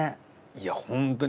いやホントに。